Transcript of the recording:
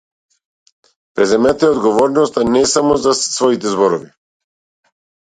Преземете ја одговорноста не само за своите зборови.